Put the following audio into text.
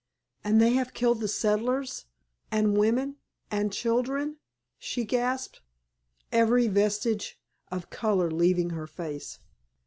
"And they have killed the settlers—and women—and children?" she gasped, every vestige of color leaving her face.